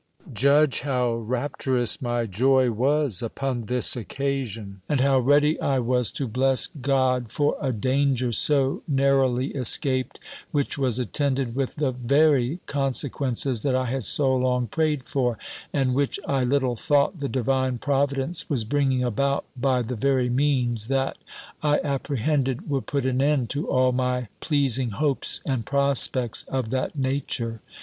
Judge how rapturous my joy was upon this occasion, and how ready I was to bless God for a danger (so narrowly escaped) which was attended with the very consequences that I had so long prayed for; and which I little thought the divine providence was bringing about by the very means, that, I apprehended, would put an end to all my pleasing hopes and prospects of that nature.